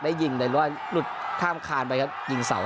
ได้ยิงแต่ลุดข้ามคารไปครับ